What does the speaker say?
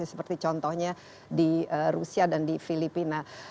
seperti contohnya di rusia dan di filipina